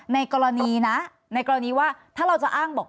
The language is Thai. ในกรณีนะในกรณีว่าถ้าเราจะอ้างบอก